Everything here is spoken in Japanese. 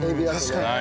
確かに。